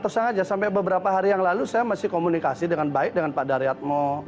tersangka aja sampai beberapa hari yang lalu saya masih komunikasi dengan baik dengan pak daryatmo